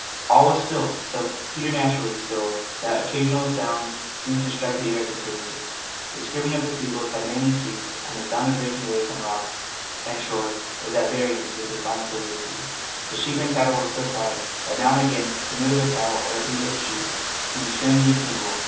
All was still, so preternaturally still that occasional sounds seemed to strike the ear as disturbances. The screaming of the seagulls had mainly ceased, and the sound of breaking waves on rocks and shore was at variance with the silence over the sea; the sheep and cattle were so quiet that now and again the "moo" of a cow or the bleat of a sheep seemed strangely single.